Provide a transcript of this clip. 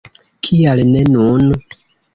Kial ne nun!